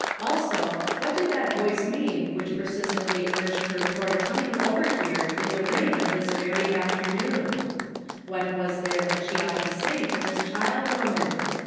Also, what did that voice mean which persistently urged her toward coming over here in the rain of this very afternoon ? What was there that she ought to say to this child woman?